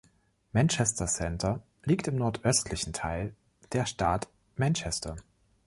Manchester Center liegt im nordöstlichen Teil der Stat Manchester.